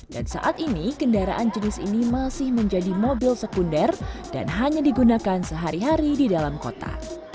dan saat ini kendaraan jenis ini masih menjadi mobil sekunder dan hanya digunakan sehari hari di dalam kota